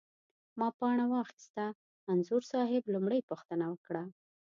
ما پاڼه واخسته، انځور صاحب لومړۍ پوښتنه وکړه.